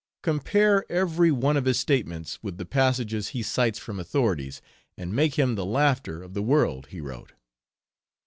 "Compare every one of his statements with the passages he cites from authorities, and make him the laughter of the world" he wrote.